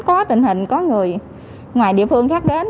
có tình hình có người ngoài địa phương khác đến